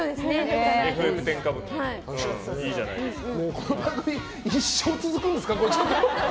これ、一生続くんですか？